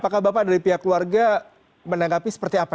apakah bapak dari pihak keluarga menanggapi seperti apa